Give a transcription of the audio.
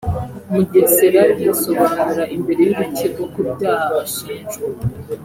Mugesera yisobanura imbere y’Urukiko ku byaha ashinjwa